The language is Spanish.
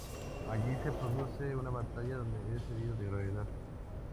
Allí se produce una batalla, donde es herido de gravedad.